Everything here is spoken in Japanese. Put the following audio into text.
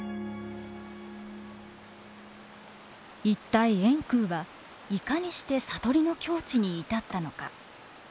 一体円空はいかにして悟りの境地に至ったのか。